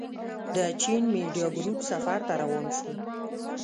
د چين ميډيا ګروپ سفر ته روان شوو.